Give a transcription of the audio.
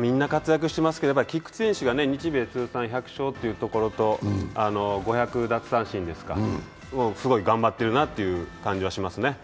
みんな活躍してますけど、菊池選手が日米通算１００勝というところと５００奪三振すごい頑張っているなという感じはしますね。